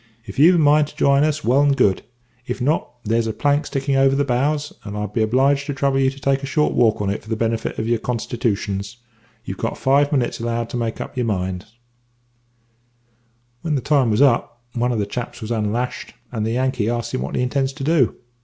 If you've a mind to jine us, well and good; if not, there's a plank sticking over the bows, and I'll be obliged to trouble you to take a short walk on it for the benefit of your constitooshuns. You've got five minutes allowed to make up your minds.' "When the time was up, one of the chaps was unlashed, and the Yankee asks him what he intends to do.